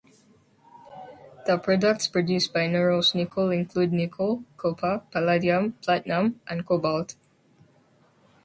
The products produced by Norilsk Nickel include nickel, copper, palladium, platinum, and cobalt.